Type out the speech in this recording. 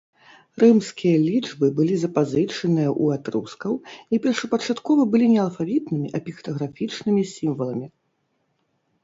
Рымскія лічбы былі запазычаныя ў этрускаў і першапачаткова былі не алфавітнымі, а піктаграфічнымі сімваламі.